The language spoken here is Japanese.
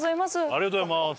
ありがとうございます。